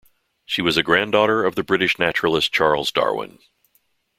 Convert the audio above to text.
She was a granddaughter of the British naturalist Charles Darwin.